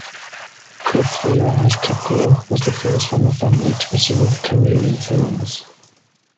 Prithviraj Kapoor was the first from the family to pursue a career in films.